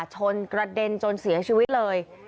กระเด็นจนเสียชีวิตเลย